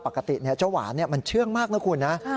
ปกติเจ้าหวานมันเชื่องมากนะคุณนะ